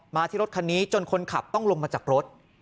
ที่รถคันนี้จนคนขับต้องลงมาจากรถ